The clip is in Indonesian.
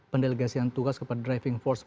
pendelegasian tugas kepada driving force